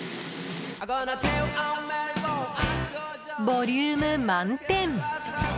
ボリューム満点